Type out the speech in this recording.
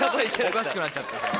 おかしくなっちゃった。